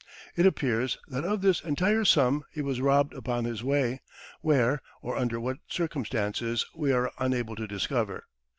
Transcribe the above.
It appears that of this entire sum he was robbed upon his way where, or under what circumstances, we are unable to discover.